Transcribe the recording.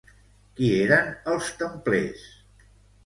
Qui eren els templers?